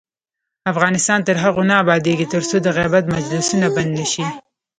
افغانستان تر هغو نه ابادیږي، ترڅو د غیبت مجلسونه بند نشي.